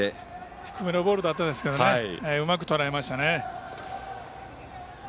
低めのボールでしたがうまくとらえましたね。